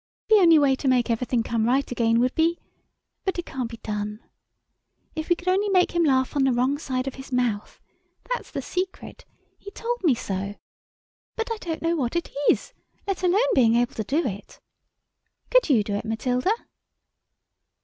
The only way to make everything come right again would be—but it can't be done! If we could only make him laugh on the wrong side of his mouth. That's the secret. He told me so. But I don't know what it is, let alone being able to do it. Could you do it, Matilda?"